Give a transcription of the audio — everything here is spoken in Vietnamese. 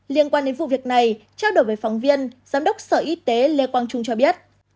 liên quan đến vụ việc này trao đổi với phóng viên giám đốc sở y tế lê quang trung cho biết